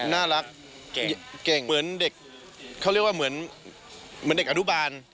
น่ารักเก่งเหมือนเด็กเขาเรียกว่าเหมือนเด็กอนุบาล